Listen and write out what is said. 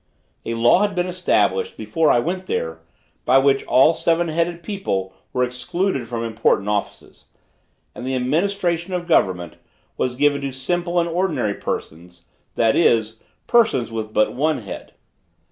A law had been established, before I went there, by which all seven headed people were excluded from important offices, and the administration of government was given to simple and ordinary persons, that is, persons with but one head.